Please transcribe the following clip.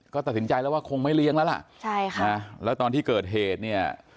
ก็ตัดสินใจแล้วว่าคงไม่เลี้ยงแล้วล่ะใช่ค่ะนะแล้วตอนที่เกิดเหตุเนี่ย